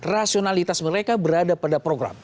rasionalitas mereka berada pada program